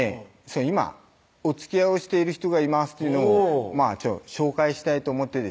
「今おつきあいをしている人がいます」というのを紹介したいと思ってですね